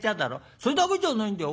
それだけじゃないんだよ。